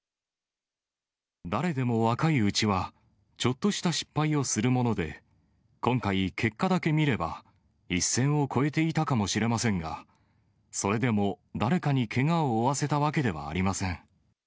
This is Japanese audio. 誰でも若いうちはちょっとした失敗をするもので、今回、結果だけ見れば、一線を越えていたかもしれませんが、それでも誰かにけがを負わせたわけではありません。